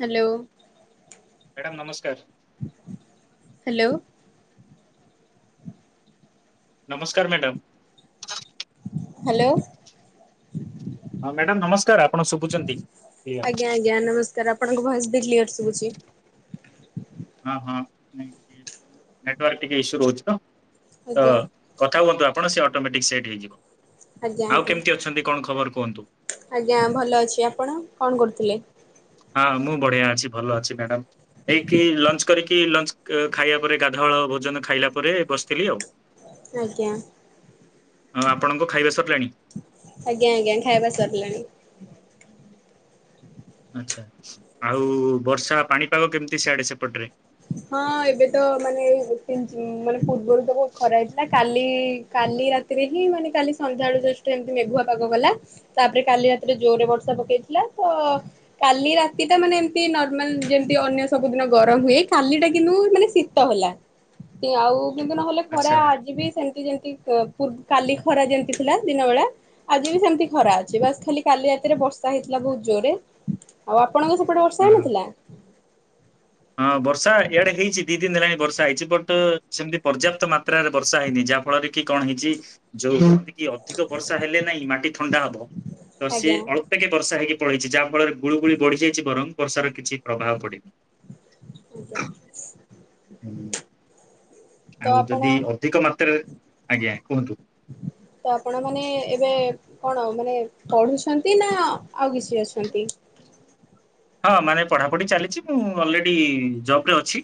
Hello madam ନମସ୍କାର। Hello. ନମସ୍କାର madam. Hello. ହଁ ମ୍ୟାଡାମ ନମସ୍କାର ଆପଣ ଶୁଭୁଚନ୍ତି କ୍ଲିଅର। ଏବେ କ୍ଲିଅର ଶୁବୁଚି। ହଁ ହଁ ନାଇଁ ଟିକେ ନେଟୱର୍କ ଟିକେ ଇସୁ ରହୁଚି ତ। ଆଜ୍ଞା ହ କଥା ହୁହନ୍ତୁ ଆପ ଆପଣ ସେ ଅଟୋମେଟିକ ସେଟ ହେଇଯିବ। ଆଜ୍ଞା ଆଉ ଆଜ୍ଞା କେମିତି ଅଛନ୍ତି କଣ ଖବର? କୁହନ୍ତୁ ଆଜ୍ଞା ଭଲ ଅଛି, ଆପଣ କଣ କରୁଥିଲେ? ହଁ ମୁଁ ବଢିଆ ଅଛି ଭଲ ଅଛି ମ୍ୟାଡ଼ାମ, ଏଇକି ଲଞ୍ଚ କରିକି ଲଞ୍ଚ ଖାଇବା ପରେ ଗାଧଆଳ ଭୋଜନ ଖାଇଲା ପରେ ବସିଥିଲି ଆଉ । ଆଜ୍ଞା, ଆଉ ଆପଣଙ୍କ ଖାଇବା ସରିଲାଣି ଆଜ୍ଞା ଆଜ୍ଞା ଖାଇବା ସରିଲାଣି, [inaudible] ଅଚ୍ଛା, ଆଉ ବର୍ଷା ପାଣିପାଗ କେମିତି ସିଆଡେ ସେପଟରେ? ହଁ ଏବେ ତ ମାନେ [unintelligible] ମାନେ ପୂର୍ବରୁ ତ ବହୁତ ଖରା ହେଇଥିଲା କାଲି କାଲି ରାତିରେ ହିଁ ମାନେ କାଲି ସନ୍ଧ୍ୟାବେଳୁ ଜଷ୍ଟ ଏମତି ମେଘୁଆ ପାଗ କଳା ତାପରେ କାଲି ରାତିରେ ଜୋରରେ ବର୍ଷା ପକେଇଥିଲା ତ କାଲି ରାତି ଟା ମାନେ ଏମତି ନର୍ମାଲ ଯେମିତି ଅନ୍ୟ ସବୁଦିନ ଗରମ ହୁଏ କାଲି ଟା କିନ୍ତୁ ମାନେ ଶୀତ ହେଲା, ସେ ଆଉ କିନ୍ତୁ ନହେଲେ ଖରା ଆଚ୍ଛା ଆଜିିବି ସେମିତି ଯେମିତି ଠିକ ପୁର କାଲି ଖରା ଯେମତି ଥିଲା ଦିନ ବେଳା ଆଜି ବି ସେମତି ଖରା ଅଛି ବାସ୍ ଖାଲି କାଲି ରାତିରେ ବର୍ଷା ହେଇଥିଲା ବହୁତ ଜୋରରେ ଆଉ ଆପଣଙ୍କ ସେପଟେ ବର୍ଷା ହଁ। ହେଇନଥିଲା? ହଁ, ବର୍ଷା ଏଇଆଡେ ହେଇଛି ଦି ଦିନ ହେଲାଣି ବର୍ଷା ହେଇଛି ବଟ ସେମିତି ପର୍ଯ୍ୟାପ୍ତ ମାତ୍ରାରେ ବର୍ଷା ହେଇନି ଯାହା ଫଳରେ କି କଣ ହେଇଛି ଯୋଉ କି ଅଧିକ ବର୍ଷା ହେଲେ ନାଇଁ ମାଟି ଥଣ୍ଡା ହବ ତ ସିଏ ଆଜ୍ଞା ଅଳ୍ପକେ ବର୍ଷା ହେଇକି ପଳେଇଛି ଯାହା ଫଳରେ ଗୁଳିଗୁଳି ବଢ଼ି ଯାଇଛି ବରଂ ବର୍ଷାର କିଛି ପ୍ରଭାବ ପଡନି । ଆଜ୍ଞା ହୁଁ ତ ଆଉ ଆପଣ ଯଦି ଅଧିକ ମାତ୍ରାରେ, ଆଜ୍ଞା କୁହନ୍ତୁ ତ ଆପଣ ମାନେ ଏବେ କଣ ମାନେ ପଢୁଛନ୍ତି ନା ଆଉ କିଛି ଅଛନ୍ତି? ହଁ, ମାନେ ପଢ଼ାପଢ଼ି ଚାଲିଛି ମୁଁ ଅଲରେଡି ଜବ ରେ ଅଛି,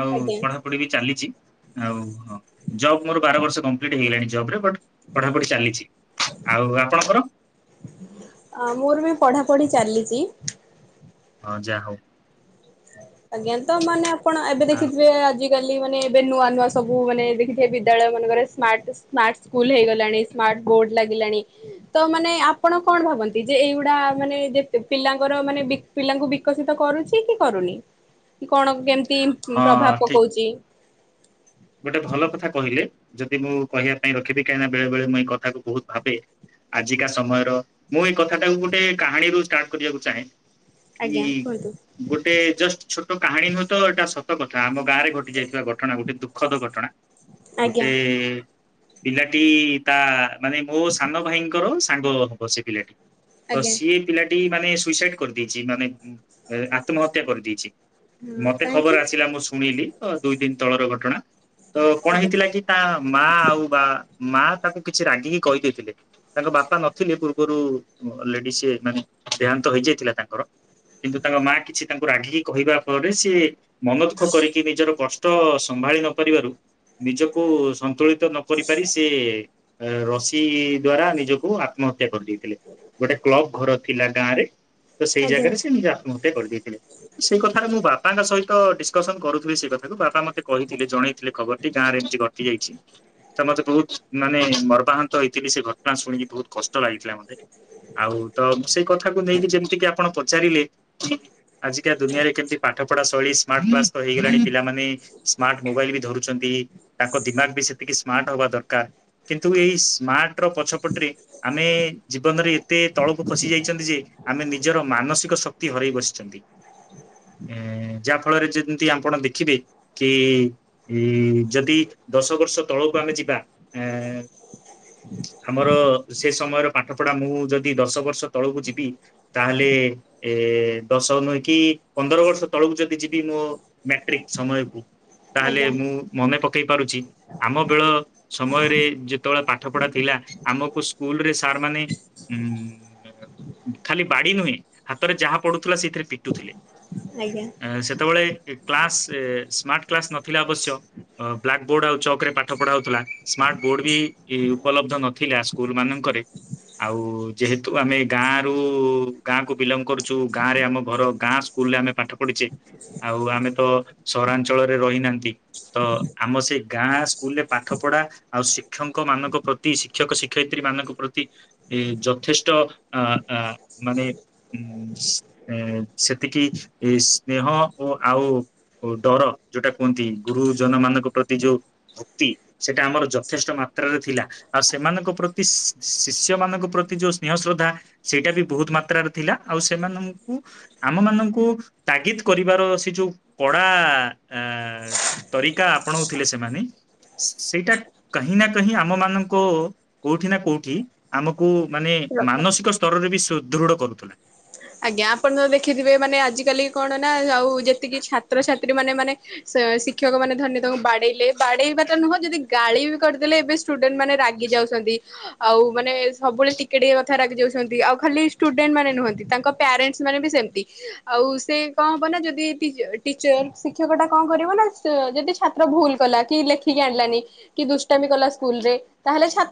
ଆଉ ଆଜ୍ଞା ପଢାପଢି ବି ଚାଲିଛି, ଆଉ କୁହ, ଜବ୍ ମୋର ବାର ବର୍ଷ କମ୍ପ୍ଲିଟ ହେଇଗଲାଣି ଜବ ରେ ବଟ ପଢାପଢି ଚାଲିଛି, ଆଉ ଆପଣଙ୍କର? ପଢ଼ି ଚାଲିଛି, ହଁ ଯା ହଉ, ଆଜ୍ଞା, ତ ମାନେ ଆପଣ ଏବେ ଦେଖିଥିବେ ଆଜି ଆଜିକାଲି ମାନେ ଏବେ ନୂଆ ନୂଆ ସବୁ ମାନେ ଦେଖିଥେ ବିଦ୍ୟାଳୟ ମାନଙ୍କରେ ସ୍ମାର୍ଟ ସ୍ମାର୍ଟ ସ୍କୁଲ ହେଇଗଲାଣି ସ୍ମାର୍ଟ ବୋର୍ଡ ଲାଗିଲାଣି ତ ମାନେ ଆପଣ କଣ ଭାବନ୍ତି? ଯେ ଏଇଗୁଡା ମାନେ ଯେ ପିଲାଙ୍କର ମାନେ ପିଲାଙ୍କୁ ବିକଶିତ କରୁଛି କି? କରୁନି? କଣ କେମିତି ହଁ ପ୍ରଭାବ ଠିକ ପକାଉଛି, ଗୋଟେ ଭଲ କଥା କହିଲେ ଯଦି ମୁଁ କହିବା ପାଇଁ ରଖିବି କାହିଁକିନା ବେଳେ ବେଳେ ମୁଁ ଏଇ କଥା କୁ ବହୁତ ଭାବେ ଆଜିକା ସମୟର ମୁଁ ଏଇ କଥାଟାକୁ ଗୋଟେ କାହାଣୀରୁୁ ଷ୍ଟାର୍ଟ କରିବାକୁ ଚାହେଁ କି ଆଜ୍ଞା କୁହନ୍ତୁ ଗୋଟେ ଜଷ୍ଟ ଛୋଟ କାହାଣୀ ନୁହଁ ତ ଏଇଟା ସତ ସତ କଥା ଆମ ଗାଁରେ ଘଟି ଯାଇଥିବା ଘଟଣା ଗୋଟେ ଦୁଃଖ ଦୁଖଦ ଘଟଣା। ଆଜ୍ଞା ଗୋଟେ ପିଲାଟି ତା ମାନେ ମୋ ସାନ ଭାଇଙ୍କର ସାଙ୍ଗ ହବ ସେ ପିଲାଟି ତ ଆଜ୍ଞା। ସିଏ ପିଲାଟି ମାନେ ସୁଇସାଇଡ କରିଦେଇଛି ।ମାନେ ଆତ୍ମହତ୍ୟା କରିଦେଇଛି। ହଁ ମତେ ଖବର କାହିଁକି? ଆସିଲା ମୁଁ ଶୁଣିଲି। ତ ଦୁଇ ଦିନ ତଳର ଘଟଣା। ତ କଣ ଆଜ୍ଞା ହେଇଥିଲା କି ତା ମା ଆଉ ବା ମା ତାଙ୍କୁ କିଛି ରାଗିକି କହିଦେଇଥିଲେ। ତାଙ୍କ ବାପା ନଥିଲେ ପୂର୍ବରୁ ଲେଡିସ୍ ମାନେ ଦେହାନ୍ତ ହେଇଯାଇଥିଲା ତାଙ୍କର। କିନ୍ତୁ ତାଙ୍କ ମା କିଛି ତାଙ୍କୁ ରାଗିକି କହିବା ଫଳରେ ସିଏ ମନ ଦୁଃଖ କରିକି ନିଜର କସ୍ ତ ସମ୍ଭାଳି ନ ପରିବାରୁ ନିଜକୁ ସନ୍ତୁଳିତ ନ କରି ପାରି ସେ ରସି ଦ୍ଵାରା ନିଜକୁ ଆତ୍ମହତ୍ୟା କରିଦେଇ ଥିଲେ ଗୋଟେ କ୍ଲବ ଘର ଥିଲା ଗାଁ ରେ ତ ସେଇ ଆଜ୍ଞା ଜାଗାରେ ସେ ନିଜ ଆତ୍ମହତ୍ୟା କରିଦେଇଥିଲେ। ସେଇ କଥାରେ ମୁଁ ବାପାଙ୍କ ସହିତ ତ ଡିସକସନ କରୁଥିଲି ସେଇ କଥାକୁ ବାପା ମତେ କହିଥିଲେ ଜଣେଇ ଥିଲେ ଖବରଟି ଗାଁ ରେ ଏମିତି ଘଟି ଯାଇଛି। ତ ମତେ ବହୁତ ମାନେ ମର୍ମାହନ୍ତ ହେଇଥିଲି ସେ ଘଟଣା ଶୁଣିକି ବହୁତ କଷ୍ଟ ଲାଗିଥିଲା ମତେ। ଆଉ ତ ସେଇ କଥାକୁ ନେଇକି ଯେମିତି କି ଆପଣ ପଚାରିଲେ ଆଜିକା ଦୁନିଆରେ କେମିତି ପାଠ ପଢ଼ା ଶୈଳୀ ସ୍ମାର୍ଟ କ୍ଲାସ୍ ହେଇଗଲାଣି ପିଲାମାନେ ସ୍ମାର୍ଟ ମୋବାଇଲ ବି ଧରୁଛନ୍ତି ।ତାଙ୍କ ଦିମାଗ ବି ସେତିକି ସ୍ମାର୍ଟ ହବା ଦରକାର। କିନ୍ତୁ ଏଇ ସ୍ମାର୍ଟ ର ପଛପଟରେ ଆମେ ଜୀବନରେ ଏତେ ତଳକୁ ଖସି ଯାଇଛନ୍ତି ଯେ ଆମେ ନିଜର ମାନସିକ ଶକ୍ତି ହରାଇ ବସିଛନ୍ତି ।ଏଁ ଯାହା ଫଳରେ ଯେମିତି ଆପଣ ଦେଖିବେ କି ଉଁ ଯଦି ଦଶ ବର୍ଷ ତଳକୁ ଆମେ ଯିବା ଆମର ସେ ସମୟର ପାଠ ପଢା ମୁଁ ଯଦି ଦଶ ବର୍ଷ ତଳକୁ ଯିବି ତାହେଲେ ଏ ଦଶ ନୁହେଁ କି ପନ୍ଦର ବର୍ଷ ତଳକୁ ଯଦି ଯିବି ମୋ ମାଟ୍ରିକ ସମୟକୁ ତାହେଲେ ଆଜ୍ଞା। ମୁଁ ମନେ ପକ କେଇ ପାରୁଛି ଆମ ବେଳ ସମୟରେ ଯେତେବେଳେ ପାଠ ପଢା ଥିଲା ଆମକୁ ସ୍କୁଲ ରେ ସାର୍ ମାନେ ଉଁ ଖାଲି ବାଡି ନୁହେଁ ହାତରେ ଯାହା ପଡୁଥିଲା ସେଥିଇରେ ପିଟୁଥିଲେ। ଆଜ୍ଞା ଆ ସେତେବେଳେ କ୍ଲାସ୍ ସ୍ମାର୍ଟ କ୍ଲାସ ନଥିଲା ଅବଶ୍ୟ ବ୍ଲାକ୍ ବୋର୍ଡ ଆଉ ଚକରେ ପାଠ ପଢା ହେଉଥିଲା ସ୍ମାର୍ଟ ବୋର୍ଡ ବି ଉପଲବ୍ଧ ନଥିଲା ସ୍କୁଲ ମାନଙ୍କରେ ।ଆଉ ଯେହେତୁ ଆମେ ଗାଁରୁ ଗାଁକୁ ବିଲଙ୍ଗ କରୁଛୁ ଗାଁ ରେ ଆମ ଘର ଗାଁ ସ୍କୁଲରେ ଆମେ ପାଠ ପଢିଛେ ।ଆଉ ଆମେ ତ ସହରା ଅଞ୍ଚଳରେ ରହିନାହାନ୍ତି ।ତ ଆମ ସେ ଗାଁ ସ୍କୁଲରେ ପାଠ ପଢା ଆଉ ଶିକ୍ଷକ ମାନଙ୍କ ପ୍ରତି ଶିକ୍ଷକ ଶିକ୍ଷୟିତ୍ରୀ ମାନଙ୍କ ପ୍ରତି ଏଁ ଯଥେଷ୍ଟ ଆ ଆ ମାନେ ଉଁ ଏଁ ସେତିକି ସ୍ନେହ ଓ ଆଉ ଡର ଯୋଉଟା କୁହନ୍ତି ଗୁରୁଜନ ମାନଙ୍କ ପ୍ରତି ଯୋଉ ଭକ୍ତି ସେଇଟା ଆମର ଯଥେଷ୍ଟ ମାତ୍ରାରେ ଥିଲା। ଆଉ ସେମାନଙ୍କ ପ୍ରତି ଶି-ଶିଷ୍ୟ ମାନଙ୍କ ପ୍ରତି ଯୋଉ ସ୍ନେହ ଶ୍ରଦ୍ଧା ସେଇଟା ବି ବହୁତ ମାତ୍ରାରେ ଥିଲା। ଆଉ ସେମାନଙ୍କୁ ଆମ ମାନଙ୍କୁ ତାଗିଦ କରିବାର ସେ ଯୋଉ କଡ଼ା ଆ ତରିକା ଆପଣାଉଥିଲେ ସେମାନେ ସେଇଟା କାହିଁ ନା କାହିଁ ଆମ ମାନଙ୍କ କୋଉଠି ନା କୋଉଠି ଆମକୁ ମାନେ ରଖ। ମାନସିକ ସ୍ତରରେ ବି ସୁ ଦୃଢ କରୁଥିଲେ। ଆଜ୍ଞା ଆପଣ ତ ଦେଖିଥିବେ ମାନେ ଆଜିକାଲି କଣ ନା ଆଉ ଯେତିକି ଛାତ୍ରଛାତ୍ରୀ ମାନେ ମାନେ ସେ ଶିଖି ଶିଖକ୍ ମାନ ଧରିନିଏ ତାଙ୍କୁ ବାଡେଇଲେ ବାଡେଇବା ନୁହଁ ଯଦି ଗାଳି ବି କରିଦେଲେ ଏବେ ଷ୍ଟୁଡେଣ୍ଟ ମାନେ ରାଗି ଯାଉଛନ୍ତି ।ଆଉ ମାନେ ସବୁବେଳେ ଟିକେଟ କଥା ରାଗି ଯାଉଛନ୍ତି ।ଆଉ ଖାଲି ଷ୍ଟୁଡେଣ୍ଟ ମାନେ ନୁହନ୍ତି ତାଙ୍କ ପ୍ୟାରେଣ୍ଟସ୍ ମାନେ ବି ସେମତି ଆଉ ସେ କଣ ହବ ନା ଯଦି ଟିଚ ଟିଚର୍ ଶିକ୍ଷକ ଟା କଣ କରିବ ନା ସେ ଯଦି ଛାତ୍ର ଭୁଲ କଲା କି ଲେଖିକି ଆଣିଲାନି କି ଦୁଷ୍ଟାମୀ କଲା ସ୍କୁଲ ରେ ତାହେଲେ ଛା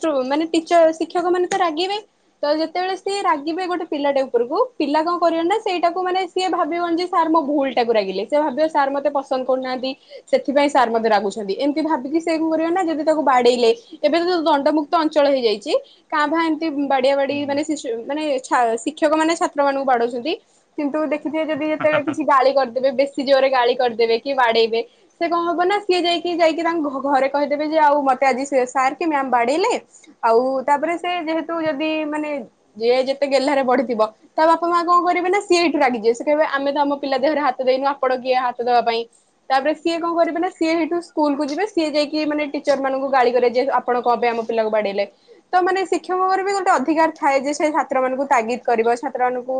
ଷ୍ଟୁ ମାନେ ଟିଚର୍ ଶିକ୍ଷକ ମାନେ ତ ରାଗିବେ ତ ଯେତେବେଳେ ସି ରାଗିବେ ଗୋଟେ ପିଲାଟାକୁ ଉପରକୁ ପିଲା କଣ କରିବେ ନା ସେଇଟାକୁ ମାନେ ସିଏ ଭାବିବନ ଯେ ସାର୍ ମୋ ଭୁଲ ଟାକୁ ରାଗିଲେ, ସେ ଭାବିବ ସାର୍ ମୋତେ ପସନ୍ଦ କରୁନାହାନ୍ତି, ସେଥିପାଇଁ ସାର୍ ମୋତେ ରାଗୁଛନ୍ତି, ଏମିତି ଭାବିକି ସେ କଣ କରିବ ନା ଯଦି ତାକୁ ବାଡେଇଲେ ଏବେ ତ ଯୋଉ ଦଣ୍ଡମୁକ୍ତ ଅଞ୍ଚଳ ହେଇଯାଇଚି କାଁ ଭା ଏମ୍ ତି ବାଡିଆ ବାଡି ମାନେ ଶିୁଶୁ ମାନେ ଛା ସିକ୍ ଶିକ୍ଷକ ମାନେ ଛାତ୍ର ମାନଙ୍କୁ ବାଡଉଛନ୍ତି କିନ୍ତୁ ଦେଖ୍ ଯିଏ ଯଦି ଯେତେବେଳେ କିଛି ଗାଳି କରି ଯେବେ ବେଶୀ ଜୋରରେ ଗାଳି କରିଦେବେ କି ବାଡେଇବେ, ସେ କଣ ହବ ନା ସିଏ ଯାଇକି ଯାଇକି ତା ଘ- ଘରେ କହିଦେବେ ଯେ ଆଉ ମୋତେ ଆଜି ସେ ସାର୍ କି ମ୍ୟାାମ୍ ବାଡେଇଲେ, ଆଉ ତାପରେ ସେ ଯେହେତୁ ଯଦି ମାନେ ଯିଏ ଯେତେ ଗେହ୍ଲାରେ ବଢି ଥିବ ତା ବାପା ମା କଣ କରିବେ ନା ସିଏ ହେଇଠୁ ରାଗିଯିବେ, ସେ କହିବେ ଆମେ ତ ଆମ ପିଲା ଦେହରେ ହାତ ଦେଇନୁ ଆପଣ କିଏ ହାତ ଦବା ପାଇଁ, ତାପରେ ସିଏ କଣ କରିବେ ନା ସିଏ ହେଇଠୁ ସ୍କୁଲ୍ କୁ ଯିବେ ସିଏ ଯାଇକି ମାନେ ଟିଚର୍ ମାନଙ୍କୁ ଗାଳି କରିବେ, ଯେ ଆପଣ କଣ ପାଇଁ ଆମ ପିଲାକୁ ବାଡେଇଲେ, ତ ମାନେ ଶିକ୍ଷକଙ୍କର ବି ଗୋଟେ ଅଧିକାର ଥାଏ ଯେ ସେ ଛାତ୍ର ମାନଙ୍କୁ ତାଗିତ୍ କରିବ, ଛାତ୍ର ମାନଙ୍କୁ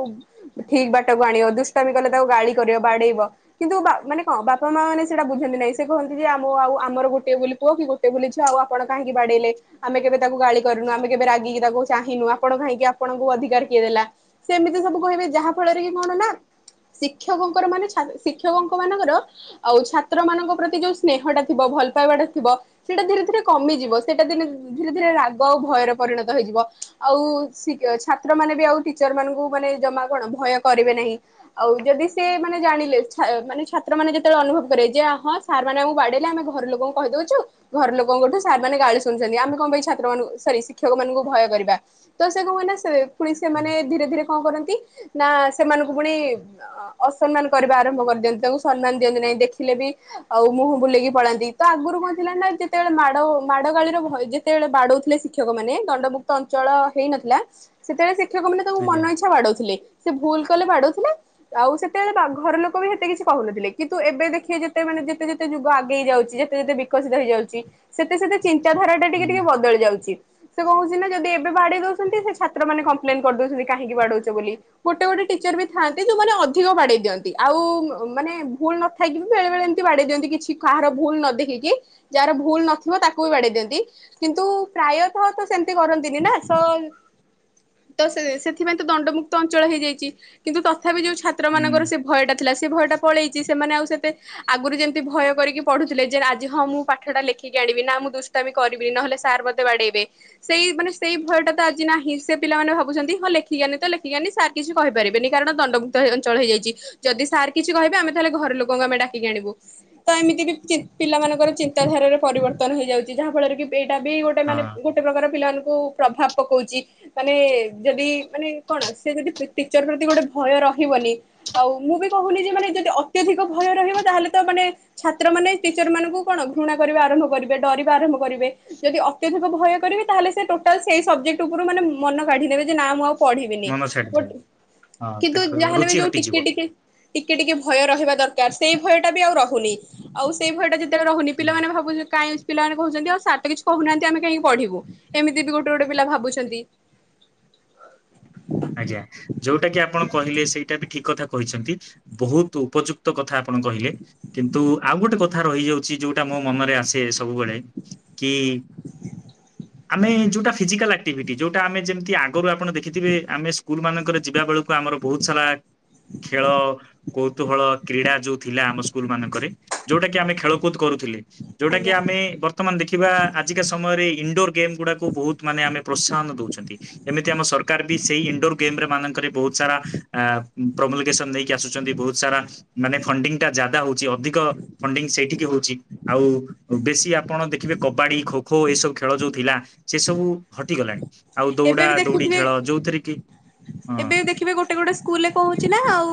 ଠିକ ବାଟକୁ ଆଣିବ, ଦୁଷ୍ଟମୀ କଲେ ତାକୁ ଗାଳି କରିବ, ବାଡେଇବ, କିନ୍ତୁ ବା-ମାନେ କଣ ବାପା ମା ମାନେ ସେଇଟା ବୁଝନ୍ତି ନାଇଁ, ସେ କହନ୍ତି ଯେ ଆମ ଆଉ ଆମର ଗୋଟଏ ବୁଲି ପୁଅ କି ଗୋଟେ ବୋଲି ଝିଅ ଆଉ ଆପଣ କାହିଁକି ବାଡେଇଲେ, ଆମେ କେବେ ତାକୁ ଗାଳି କରିନୁ, ଆମେ କେବେ ରାଗି ତାକୁ ଚାହିଁନୁ, ଆପଣ କାହିଁକି ଆପଣଙ୍କୁ ଅଧିକାର କିଏ ଦେଲା ସେ ଏମିତି ସବୁ କହିବେ, ଯାହା ଫଳରେ କି କଣ ନା ଶିକ୍ଷକଙ୍କର ମାନେ ଛା-ଶିକ୍ଷକଙ୍କ ମାନଙ୍କର ଆଉ ଛାତ୍ର ମାନଙ୍କ ପ୍ରତି ଯୋଉ ସ୍ନେହଟା ଥିବ ଭଲ ପାଇବାଟା ଥିବ ସେଟା ଧୀରେ ଧୀରେ କମିଯିବ। ସେଟା ଦିନେ ଧୀରେ ଧୀରେ ରାଗ ଆଉ ଭୟରେ ପରିଣତ ହେଇଯିବ ଆଉ ଶିକ୍ ଛାତ ସେମାନେ ବି ଆଉ ଟିଚର୍ ମାନଙ୍କୁ ମାନେ ଜମା କଣ ଭୟ କରିବେ ନାହିଁ, ଆଉ ଯଦି ସେ ମାନେ ଜାଣିଲେ ଛା-ମାନେ ଛାତ୍ର ମାନେ ଯେତେବେଳେ ଅନୁଭବ କରିବେ ଯେ ହଁ ସାର୍ ମାନେ ଆମକୁ ବାଡେଇଲେ ଆମେ ଘର ଲୋକଙ୍କୁ କହିଦଉଛୁ, ଘର ଲୋକଙ୍କଠୁ ସାର୍ ମାନେ ଗାଳି ଶୁଣଛନ୍ତି, ଆମେ କଣ ପାଇଁ ଛାତ୍ର ମାନଙ୍କୁ ସରି ଶିକ୍ଷକ ମାନଙ୍କୁ ଭୟ କରିବା। ତ ସେ କଣ ପାଇଁ ନା ସେ ପୁଣି ସେମାନେ ଏ ଧୀରେ ଧୀରେ କଣ କରନ୍ତି ନା ସେମାନଙ୍କୁ ପୁଣି ଅ-ଅସମ୍ମାନ କରିବା ଆରମ୍ଭ କରିଦିଅନ୍ତି, ତାଙ୍କୁ ସମ୍ମାନ ଦିଅନ୍ତି ନାହିଁ, ଦେଖିଲେ ବି ଆଉ ମୁହଁ ବୁଲେଇକି ପଳାନ୍ତି, ତ ଆଗରୁ କଣ ଥିଲା ନା ଯେତେବେଳେ ମାଡ ମାଡ ଗାଳିର ଭୟ ଯେତେବେଳେ ବାଡଉଥିଲେ ଶିକ୍ଷକ ମାନେ, ଦଣ୍ଡମୁକ୍ତ ଅଞ୍ଚଳ ହେଇନଥିଲା ସେତେବେଳେ ସେ ଶିକ୍ଷକମାନେ ତାଙ୍କୁ ଆଜ୍ଞା ମନଇଚ୍ଛା ବାଡଉଥିଲେ। ସେ ଭୁଲ କଲେ ବାଡଉଥିଲେ, ଆଉ ସେତେବେଳେ ବା ଘର ଲୋକ ବି ହେତେ କିଛି କହୁନଥିଲେ, କିନ୍ତୁ ଏବେ ଦେଖିବେ ଯେତେ ମାନେ ଯେତେ ଯେତେ ଯୁଗ ଆଗେଇ ଯାଉଚି, ଯେତେ ଯେତେ ବିକଶିତ ହେଇଯାଉଚି, ସେତେ ସେତେ ଚିନ୍ତାଧାରା ଟା ଟିକେ ହୁଁ ଟିକେ ବଦଳି ଯାଉଚି। ସେ କହୁଚି ନା ଯଦି ଏବେ ବାଡେଇ ଦଉଛନ୍ତି ସେ ଛା ତ୍ର ମାନେ କମ୍ପ୍ଲେନ୍ କରିଦଉଛନ୍ତି କାହିଁକି ବାଡଉଚୁ ବୋଲି, ଗୋଟେ ଗୋଟେ ଟିଚର୍ ବି ଥାଆନ୍ତି, ଯୋଉମାନେ ଅଧିକ ବାଡେଇ ଦିଅନ୍ତି, ଆଉ ଉଁ, ମାନେ ଭୁଲ ନଥାଇକି ବି ବେଳେବେଳେ ଏମତି ବାଡେଇ ଦିଅନ୍ତି, କିଛି କାହାର ଭୁଲ ନ ଦେଖିକି, ଯାହାର ଭୁଲ ନଥିବ ତାକୁ ବି ବାଡେଇ ଦିଅନ୍ତି, କିନ୍ତୁ ପ୍ରାୟତଃ ତ ସେମିତି କରନ୍ତିନି ନା ସୋ ତ ସେ- ସେଥିପାଇଁ ତ ଦଣ୍ଡମୁକ୍ତ ଅଞ୍ଚଳ ହେଇଯାଇଚି, କିନ୍ତୁ ତଥାପି ଯୋଉ ଛାତ୍ର ମାନଙ୍କର ସେ ଭୟ ଟା ଥିଲା ସେ ଭୟ ଟା ପଳେଇଚି ସେମାନେ ଆଉ ସେତେ ଆଗରୁ ଯେମିତି ଭୟ କରିକି ପଢୁଥିଲେ, ଯେ ଆଜି ହଁ ମୁଁ ପାଠ ଟା ଲେଖିକି ଆଣିବି, ନା ମୁଁ ଦୁଷ୍ଟାମ କରିବିନି ନହେଲେ ସାର୍ ମୋତେ ବାଡେଇବେ, ସେଇ ମାନେ ସେଇ ଭୟଟା ତ ଆଜି ନାହିଁ। ସେ ପିଲାମାନେ ଭାବୁଛନ୍ତି ହଁ ଲେଖିକି ଆଣନି ତ ଲେଖିକି ଆଣନି ସାର୍ କିଛି କହିପାରିବେନି କାରଣ ଦଣ୍ଡମୁକ୍ତ ହେ- ଅଞ୍ଚଳ ହେଇଯାଇଚି। ଯଦି ସାର୍ କିଛି କହିବେ ଆମେ ତାହେଲେ ଘର ଲୋକଙ୍କୁ ଆମେ ଡାକିକି ଆଣିବୁ, ତ ଏମିତି ବି ଚି- ପିଲାମାନଙ୍କର ଚିନ୍ତାଧାରାରେ ପରିବର୍ତ୍ତନ ହେଇଯାଉଚି, ଯାହା ଫଳରେ କି ଏଇଟା ବି ଗୋଟେ ମାନେ ହଁ ଗୋଟେ ପ୍ରକାର ପିଲାମାନଙ୍କୁ ପ୍ରଭାବ ପକଉଚି। ତୋମେ ଯଦି ମାନେ କଣ ସେ ଯଦି ପି-ଟିଚର୍ ପ୍ରତି ଗୋଟେ ଭୟ ରହିବନି, ଆଉ ମୁଁ ବି କହୁନି ଯେ ମାନେ ଯଦି ଅତ୍ୟଧିକ ଭୟ ରହିବ ତାହେଲେ ତ ମାନେ ଛାତ୍ର ମାନେ ଏଇ ଟିଚର୍ ମାନଙ୍କୁ କଣ ଘୃଣା କରିବା ଆରମ୍ଭ କରିବେ, ଡରିବା ଆରମ୍ଭ କରିବେ, ଯଦି ଅତ୍ୟଧିକ ଭୟ କରିବେ ତାହେଲେ ସେ ଟୋଟାଲ୍ ସେଇ ସବଜେକ୍ଟ ଉପରୁ ମାନେ ଉଁ ମନ କାଢ଼ିିନେବେ ଯେ ନା ମୁଁ ଆଉ। ପଢିବିନି ମନ ଗୋଟ ଛାଡିଦେବେ ହଁ କିନ୍ତୁ ତାକୁ ଯାହାହେଲେ ବି ରୁଚି ଯୋଉ ହଟିଯିବ। ଟିକେ ଟିକେ ଟିକେ ଟିକେ ଭୟ ରହିବା ଦରକାର, ସେଇ ଭୟଟା ବି ଆଉ ରହୁନି। ଆଉ ସେଇ ଭୟଟା ଯେତେବେଳେ ରହୁନି ହୁଁ। ପିଲାମାନେ ଭାବୁ ଚ କାଇଁ ପିଲାମାନେ କହୁଚନ୍ତି, ଆଉ ସାର୍ ତ କିଛି କହୁନାହାନ୍ତି। ଆମେ କାହିଁକି ପଢ଼ିବୁ ଏମିତି ବି ଗୋଟେ ଗୋଟେ ପିଲା ଭାବୁଛନ୍ତି। ଆଜ୍ଞା ଯୋଉଟା କି ଆପଣ କହିଲେ ସେଇଟା ବି ଠିକ କଥା କହିଛନ୍ତି ।ବହୁତ ଉପଯୁକ୍ତ କଥା ଆପଣ କହିଲେ କିନ୍ତୁ ଆଉ ଗୋଟେ କଥା ରହିଯାଉଛି, ଯୋଉଟା ମୋ ମନରେ ଆସେ ସବୁବେଳେ କି ଆମେ ଯୋଉଟା ଫିଜିକାଲ ଆକ୍ଟିଭିଟି ଯୋଉଟା ଆମେ ଯେମିତି ଆଗରୁ ଆପଣ ଦେଖିଥିବେ ଆମେ ସ୍କୁଲ୍ ମାନଙ୍କରେ ଯିବା ବେଳ ତ ଆମର ବହୁତ ସାରା ଖେଳ କୌତୁହଳ କ୍ରୀଡ଼ା ଯୋଉ ଥିଲା ଆମ ସ୍କୁଲ୍ ମାନଙ୍କରେ ଯୋଉଟା କି ଆମେ ଖେଳକୁଦ କରୁଥିଲେ। ଯୋଉଟା କି ଆଜ୍ଞା ଆମେ ବର୍ତ୍ତମାନ ଦେଖିବା ଆଜିକା ସମୟରେ ଇନଡୋର ଗେମ୍ ଗୁଡାକୁ ବହୁତ ମାନେ ଆମେ ପ୍ରୋତ୍ସାହନ ଦଉଛନ୍ତି। ଏମିତି ଆମ ସରକାର ବି ସେଇ ଇନଣ୍ଡୋର୍ ଗେମ୍ ରେ ମାନଙ୍କରେ ବହୁତ ସାରା ଆ, ପ୍ରମୋଲିକେସନ ନେଇକି ଆସୁଛନ୍ତି, ବହୁତ ସାରା ମାନେ ଫଣ୍ଡିଙ୍ଗଟା ଜାଦା ହଉଚି, ଅଧିକ ଫଣ୍ଡିଙ୍ଗ ସେଇଠିକି ହଉଛି, ଆଉ ବେଶୀ ଆପଣ ଦେଖିବେ କବାଡି ଖୋ ଖୋ ଏ ସବୁ ଖେଳ ଯୋଉ ଥିଲା ସେ ସବୁ ହଟିଗଲାଣି। ଆଉ ଏବେ ଦୌଡା ବି ଦୌଡି ଦେଖୁଥିବେ ଖେଳ ଯୋଉ ଏବେ ଦେଖିବେ ଗୋଟେ ଗୋଟେ ସ୍କୁଲ୍ ରେ କଣ ହଉଛି ନା ଆଉ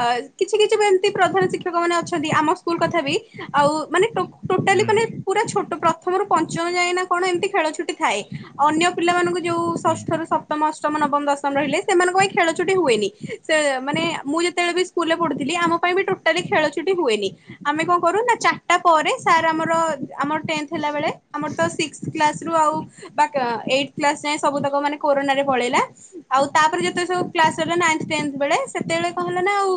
ଆ, କିଛି କିଛି ବି ଏମତି ପ୍ରଧାନ ଶିକ୍ଷକ ମାନେ ଅଛନ୍ତି ଆମ ସ୍କୁଲ୍ କଥା ବି ଆଉ ମାନେ ଟୋ ଟୋଟାଲି ହୁଁ ମାନେ ପୁରା ଛୋ ତ ପ୍ରଥମରୁ ପଞ୍ଚମ ଯାଏଁ ନା କଣ ଏମିତି ଖେଳଛୁଟି ଥାଏ ଅନ୍ୟ ପିଲାମାନଙ୍କୁ ଯୋଉ ହୁଁ ଷଷ୍ଠ ରୁ ସପ୍ତମ ଅଷ୍ ସମ ନବମ ଦଶମ ରହିଲେ ସେମାନଙ୍କ ପାଇଁ ଖେଳଛୁଟି ହୁଏନି, ସେ ମାନେ ମୁଁ ଯେତେବେଳେ ବି ସ୍କୁଲ୍ ରେ ପଢୁଥିଲି ଆମ ପାଇଁ ବି ଟୋଟାଲି ଖେଳଛୁଟି ହୁଏନି, ଆମେ କଣ କରୁ ନା ଚାରଟା ପରେ ସାର୍ ଆମର ଆମର ଟେନ୍ଥ ହେଲା ବେଳେ ଆମର ତ ସିକ୍ସ କ୍ଲାସ୍ ରୁ ଆଉ ଡାକ ଏଇଟ୍ କ୍ଲାସ୍ ନାଇଁ ସବୁତକ ମାନେ କରୋନା ରେ ପଳେଇଲା ।ଆଉ ତାପରେ ଜେତୋବେଳେ କ୍ଲାସ ସରିବ ନାଇଥ ତେନ୍ଥ ବେଳେ ସେତୋବେଳେ କଣ ହେଲା ନା ଆଉ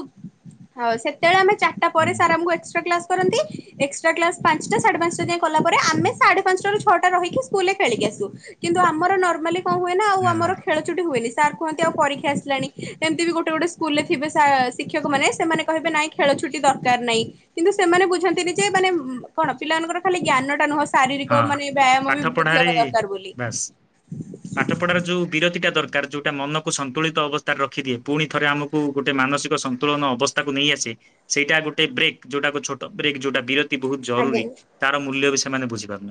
ଆ ସେତେବେଳେ ଆମେ ଚାରଟା ପରେ ସ ହୁଁ ଆମକୁ ଏକ୍ଟ୍ରା କ୍ଲାସ କରନ୍ତି ଏକ୍ସଟା କ୍ଲାସ ପାଞ୍ଚଟା ସାଢେ ପାଞ୍ଚଟା ଯ କଲା ପରେ ହୁଁ। ଆମେ ସାଢେ ପାଞ୍ଚଟାରୁ ଛଅଟା ରିହିକି ଖେଳି ଆସୁ ।କିନ୍ତୁ ଆମର ମାନେ କଣ ହୁଏ ନା ଆଉ ହଁ ଆମର ଖେଳଚୁଟି ହୁଏନି। ସାର୍ କୁହନ୍ତି ଆଉ ପରୀକ୍ଷା ଆସିଲାଣି ଏମିତି ବି ଗୋଟେ ଗୋଟେ ସ୍କୁଲ ରେ ଥିବେ ଶିକ୍ଷକ ମାନ ସେମାନେ କହିବେ ନାଇଁ ଖେଳ ଛୁଟି ଦରକାର ନାହିଁ। କିନ୍ତୁ ସେମାନେ ବୁଝନ୍ତିନି ଯେ ମାନେ କଣ ପିଲାମାନଙ୍କ ଖାଲି ଜ୍ଞାନଟା ନୁହ ଶାରୀରିକ ହଁ ମାନେ ବ୍ୟାୟାମ ବି ପାଠ ବୃଦ୍ଧି ପଢାରେ ହବା ଦରକାର ବୋଲି। ବାସ୍ ପାଠ ପଢାର ଯୋଉ ବିରତି ଟା ଦରକାର ଯୋଉଟା ମନକୁ ସନ୍ତୁଳିତ ଅବସ୍ଥାରେ ରଖିଦିଏ ପୁଣି ଥରେ ଆମକୁ ଗୋଟେ ମାନସିକ ସନ୍ତୁଳନ ଅବସ୍ଥାକୁ ନେଇ ଆସେ ସେଇଟା ଗୋଟେ ବ୍ରେକ୍ ଯୋଉଟା ଛୋଟ ବ୍ରେକ୍ ଯୋଉଟା ବିରତି ବହୁତ ଆଜ୍ଞା ଜରୁରୀ ତାର ମୂଲ୍ୟ ବେଶୀ । ସେମାନେ ବୁଝିବା [inaudible]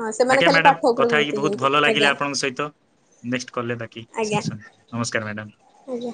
ହଁ ସେମାନେ ଆଜ୍ଞା ଖାଲି ମ୍ୟାଡାମ ପାଠ ଉପରେ କଥା ହେଇକି ଗୁରୁତ୍ୱ ବହୁତ ଦିଅନ୍ତି ଭଲ ଆଜ୍ଞା ଲାଗିଲା ଆପଣଙ୍କ ସହିତ । ନେକ୍ସଟ୍ କଲରେ ବାକି ଆଜ୍ଞା ଡିସ ଆଜ୍ଞା